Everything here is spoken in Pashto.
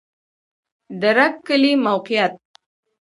د رګ کلی موقعیت